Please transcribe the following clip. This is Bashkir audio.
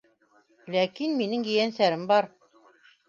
Ләкин минең ейәнсәрем бар.